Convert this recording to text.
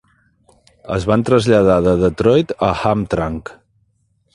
Es van traslladar de Detroit a Hamtramck.